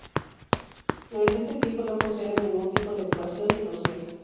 Durante este tiempo no conceden ningún tipo de actuación ni concierto.